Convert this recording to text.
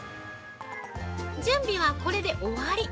◆準備はこれで終わり！